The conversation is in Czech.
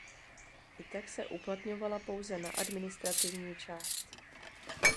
I tak se uplatňovala pouze na administrativní část.